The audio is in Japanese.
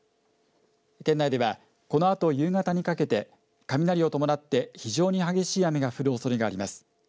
県内ではこのあと夕方にかけて雷を伴って非常に激しい雨が降るおそれがあります。